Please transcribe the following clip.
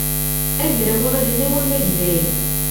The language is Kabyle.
agraw aɣelnaw amagday